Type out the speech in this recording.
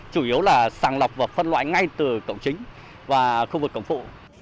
chủ yếu là sàng lọc và phân loại ngay từ cổng chính và khu vực cổng phụ